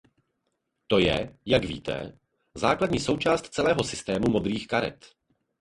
To je, jak víte, základní součást celého systému modrých karet.